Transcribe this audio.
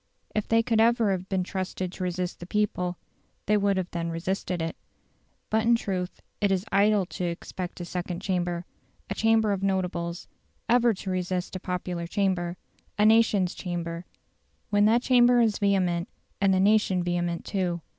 If they could ever have been trusted to resist the people, they would then have resisted it. But in truth it is idle to expect a second chamber a chamber of notables ever to resist a popular chamber, a nation's chamber, when that chamber is vehement and the nation vehement too.